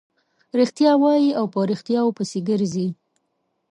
رښتیا وايي او په ريښتیاوو پسې ګرځي.